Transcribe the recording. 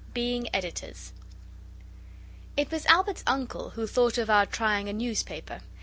BEING EDITORS It was Albert's uncle who thought of our trying a newspaper.